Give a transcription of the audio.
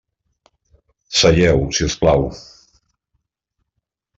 Seieu, si us plau.